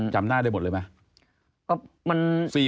จำหน้าได้หมดเลยไหม